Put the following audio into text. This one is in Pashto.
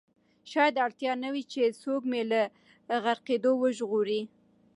شاید اړتیا نه وي چې څوک مې له غرقېدو وژغوري.